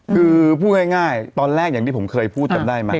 คือพูดง่ายตอนแรกอย่างที่ผมเคยพูดจำได้ไหม